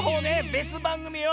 べつばんぐみよ。